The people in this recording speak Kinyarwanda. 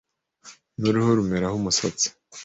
n’uruhu rumeraho umusatsi